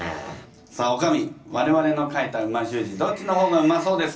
さあおかみ我々の書いた美味しゅう字どっちの方がうまそうですか？